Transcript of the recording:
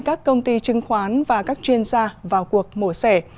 các công ty chứng khoán và các chuyên gia vào cuộc mổ xẻ